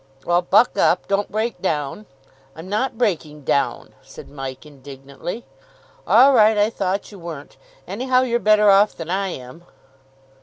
"Well, buck up. Don't break down." "I'm not breaking down," said Mike indignantly. "All right, I thought you weren't. Anyhow, you're better off than I am."